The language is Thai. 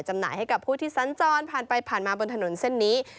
จำหน่ายให้กับผู้ที่สัญจรผ่านไปผ่านมาบนถนนเส้นนี้